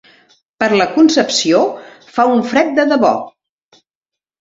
Per la Concepció fa un fred de debò.